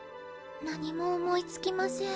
何も思いつきません。